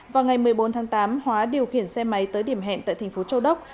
vào ngày một mươi bốn tháng tám hóa điều khiển xe máy tới điểm hẹn tại thành phố châu đốc